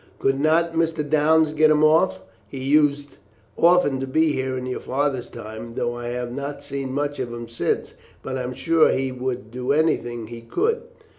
"Could not Mr. Downes get him off? He used often to be here in your father's time, though I have not seen much of him since; but I am sure he would do anything he could."